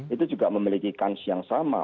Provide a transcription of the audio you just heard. itu juga memiliki kans yang sama